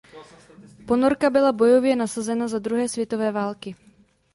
Ponorka byla bojově nasazena za druhé světové války.